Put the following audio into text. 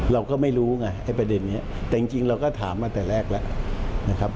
เราก็ไม่รู้ไงไอ้ประเด็นนี้แต่จริงเราก็ถามมาแต่แรกแล้วนะครับ